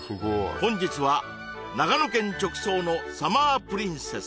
本日は長野県直送のサマープリンセス